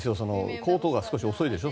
コートが少し遅いでしょ。